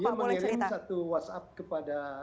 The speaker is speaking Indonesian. dia mengirim satu whatsapp kepada